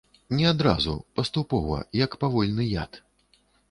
Не адразу, паступова, як павольны яд.